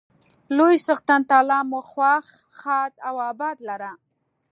لوی څښتن تعالی مو خوښ، ښاد او اباد لره.